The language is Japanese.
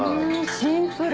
シンプル！